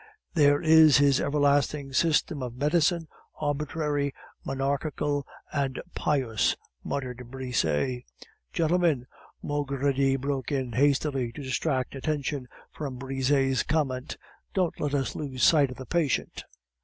"There is his everlasting system of medicine, arbitrary, monarchical, and pious," muttered Brisset. "Gentlemen," Maugredie broke in hastily, to distract attention from Brisset's comment, "don't let us lose sight of the patient."